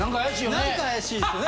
何か怪しいですよね